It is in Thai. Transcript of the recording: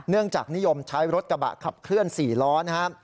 จากนิยมใช้รถกระบะขับเคลื่อน๔ล้อนะครับ